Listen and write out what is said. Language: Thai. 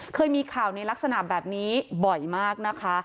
เคยมีข่าวในลักษณะแบบนี้บ่อยมากนะคะ